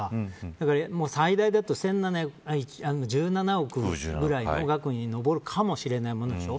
だから、最大だと１７億ぐらいの額に上るかもしれないものでしょ。